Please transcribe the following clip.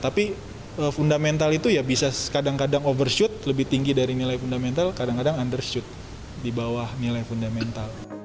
tapi fundamental itu ya bisa kadang kadang overshoot lebih tinggi dari nilai fundamental kadang kadang undershoot di bawah nilai fundamental